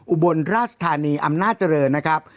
อุบลราชธานีอำนาจเจริญนะครับ